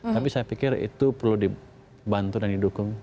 tapi saya pikir itu perlu dibantu dan didukung